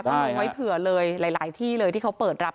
ต้องลงไว้เผื่อเลยหลายที่เลยที่เขาเปิดรับ